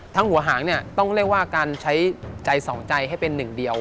หัวหางเนี่ยต้องเรียกว่าการใช้ใจสองใจให้เป็นหนึ่งเดียว